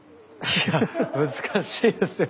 いや難しいですよ